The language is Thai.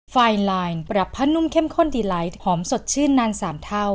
ไฟไลน์ปรับผ้านุ่มเข้มข้นดีไลท์หอมสดชื่นนาน๓เท่า